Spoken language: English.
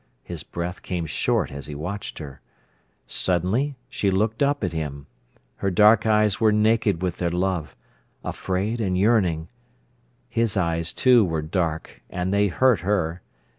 His breath came short as he watched her. Suddenly she looked up at him. Her dark eyes were naked with their love, afraid, and yearning. His eyes, too, were dark, and they hurt her.